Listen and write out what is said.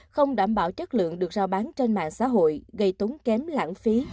không đảm bảo chất lượng được giao bán trên mạng xã hội gây tốn kém lãng phí